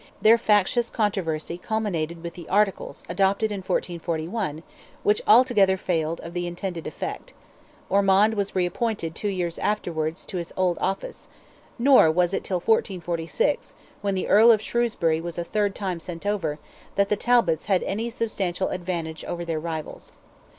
Their factious controversy culminated with "the articles" adopted in 1441, which altogether failed of the intended effect; Ormond was reappointed two years afterwards to his old office; nor was it till 1446, when the Earl of Shrewsbury was a third time sent over, that the Talbots had any substantial advantage over their rivals.